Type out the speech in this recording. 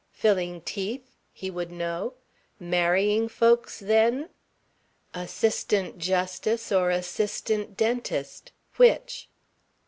"Filling teeth?" he would know. "Marrying folks, then?" Assistant justice or assistant dentist which?